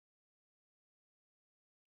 بامیان د افغانستان د اقتصاد برخه ده.